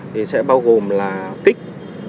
thì sẽ bao gồm là kích